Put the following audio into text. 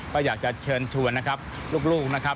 ก็อยากจะเชิญชวนลูกนะครับ